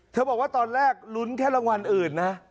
บอกว่าตอนแรกลุ้นแค่รางวัลอื่นนะ